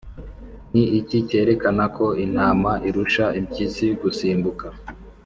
ni iki kerekana ko intama irusha impyisi gusimbuka?